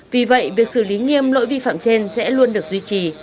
vì vậy việc xử lý nghiêm lỗi vi phạm trên sẽ luôn được duy trì